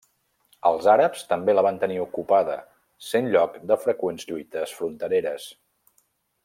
Els àrabs també la van tenir ocupada sent lloc de freqüents lluites frontereres.